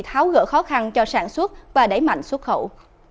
tháo gỡ khó khăn cho sản xuất và đẩy mạnh xuất khẩu